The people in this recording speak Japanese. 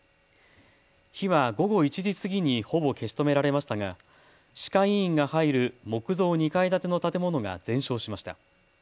火は午後１時過ぎにほぼ消し止められましたが歯科医院が入る木造２階建ての建物が全焼しました。